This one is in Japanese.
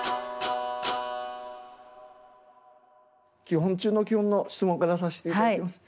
基本中の基本の質問からさせていただきます。